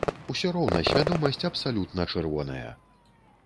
Усё роўна свядомасць абсалютна чырвоная.